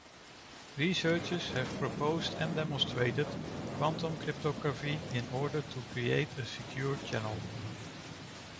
Researchers have proposed and demonstrated quantum cryptography in order to create a secure channel.